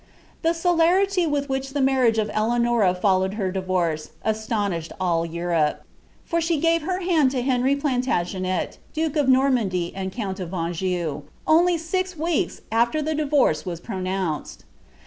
The celerity with which the marriage of Eleanors foUownl to divorce, astonished nil Europe ; for she gave her hand to Henir PtaB* tngenet, duke of Normandy and count of Anjou, only mx wawks altar the divorce was pronounced.